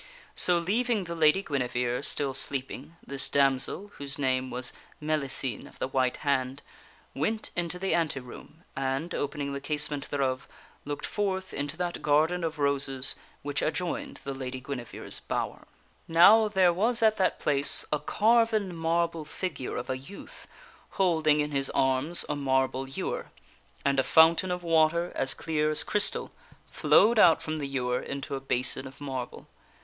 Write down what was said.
So, leaving the Lady Guinevere still sleeping, this damsel, whose name was Mellicene of the White Hand, went into the ante room and, opening the casement thereof, looked forth into that garden of roses which adjoined the Lady Guinevere's bower. Now there was at that place a carven marble figure of a youth, holding in his arms a marble ewer, and a fountain of water, as clear as crystal, flowed out from the ewer into a basin of marble.